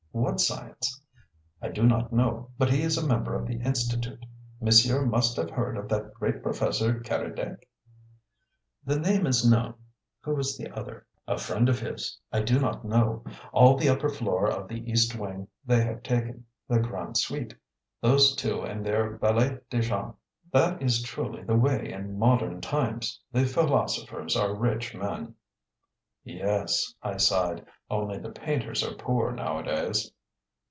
"What science?" "I do not know. But he is a member of the Institute. Monsieur must have heard of that great Professor Keredec?" "The name is known. Who is the other?" "A friend of his. I do not know. All the upper floor of the east wing they have taken the Grande Suite those two and their valet de chambre. That is truly the way in modern times the philosophers are rich men." "Yes," I sighed. "Only the painters are poor nowadays."